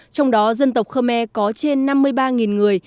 trong đó dân tộc khơ me có trên năm mươi ba người